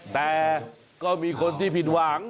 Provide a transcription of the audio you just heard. แต่ก็มีคนที่ผิดหวัง